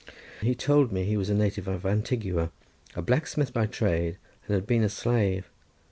He told me he was a native of Antigua, a blacksmith by trade, and had been a slave.